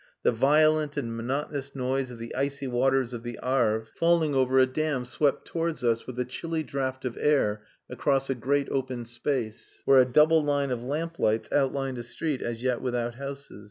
The violent and monotonous noise of the icy waters of the Arve falling over a low dam swept towards us with a chilly draught of air across a great open space, where a double line of lamp lights outlined a street as yet without houses.